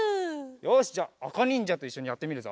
よしじゃああかにんじゃといっしょにやってみるぞ。